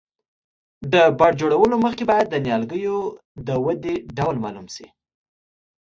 د بڼ جوړولو مخکې باید د نیالګیو د ودې ډول معلوم شي.